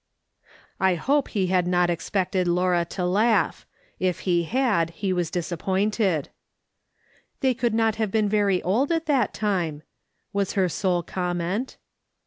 I hope he had not expected Laura to laugh ; if he had, he was disappointed. " They could not have been very old at that time," was her sole comment.